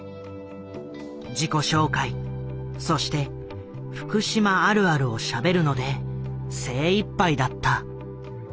自己紹介そして「福島あるある」をしゃべるので精いっぱいだった。